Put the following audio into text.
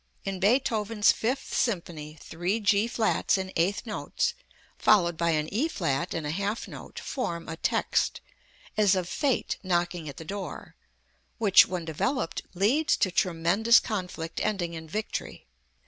In Beethoven's Fifth Symphony three G flats in eighth notes, followed by an E flat in a half note, form a text, as of Fate knocking at the door, which, when developed, leads to tremendous conflict ending in victory.